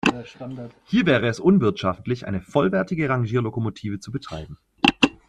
Hier wäre es unwirtschaftlich, eine vollwertige Rangierlokomotive zu betreiben.